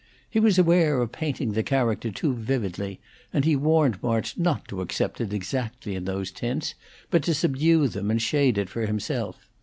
He was aware of painting the character too vividly, and he warned March not to accept it exactly in those tints, but to subdue them and shade it for himself.